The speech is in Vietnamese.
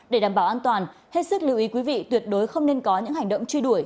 để đảm bảo an toàn hết sức lưu ý quý vị tuyệt đối không nên có những hành động truy đuổi